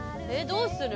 どうする？